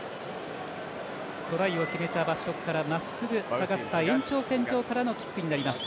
トライを決めた場所からまっすぐ下がった延長線上からのキックになります。